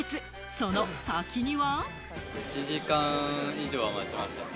その先には。